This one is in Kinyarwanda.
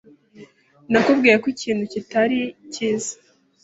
Nakubwiye ko ikintu kitari cyiza.